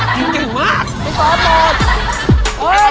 พี่กอฟโอ้ย